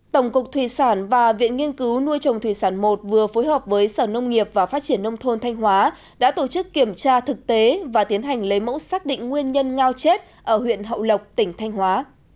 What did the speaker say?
tổng cục thủy sản và viện nghiên cứu nuôi trồng thủy sản i vừa phối hợp với sở nông nghiệp và phát triển nông thôn thanh hóa đã tổ chức kiểm tra thực tế và tiến hành lấy mẫu xác định nguyên nhân ngao chết ở huyện hậu lộc tỉnh thanh hóa